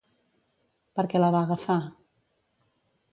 Per què la va agafar?